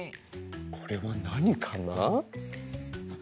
これはなにかな？